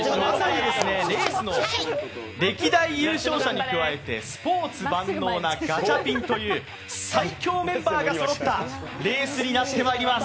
レースの歴代優勝者に加えてスポーツ万能なガチャピンという最強メンバーがそろったレースになってまいります。